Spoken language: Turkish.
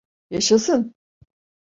Yaşasın!